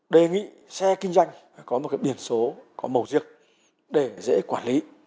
đề nghị xe kinh doanh có một cái biển số có màu riêng để dễ quản lý